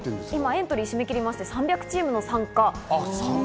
エントリー締め切りまして３００チームの参加。